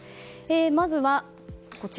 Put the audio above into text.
まずはこちら。